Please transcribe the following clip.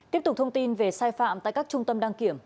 tiếp tục thông tin về sai phạm tại các trung tâm đăng kiểm